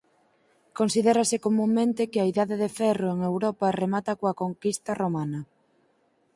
Considérase comunmente que a Idade de Ferro en Europa remata coa conquista romana.